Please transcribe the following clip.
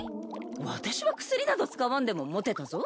私は薬など使わんでもモテたぞ。